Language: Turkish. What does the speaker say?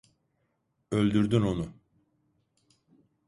Öldürdün onu!